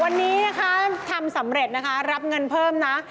วันนี้ทำสำเร็จรับเงินเพิ่มนะ